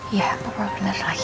iya apa apa bener lagi